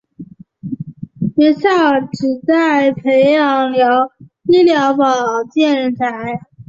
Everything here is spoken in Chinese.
学校旨在培养医疗保健人才。